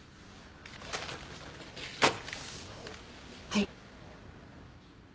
はい。